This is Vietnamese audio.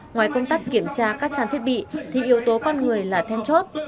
ngoài công tác kiểm tra các trang thiết bị thì yếu tố con người là then chốt